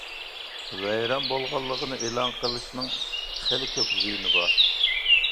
ۋەيران بولغانلىقىنى ئېلان قىلىشنىڭ خېلى كۆپ زىيىنى بار.